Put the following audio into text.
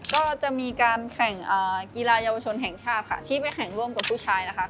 ก็จะมีการแข่งกีฬาเยาวชนแห่งชาติค่ะที่ไปแข่งร่วมกับผู้ชายนะคะ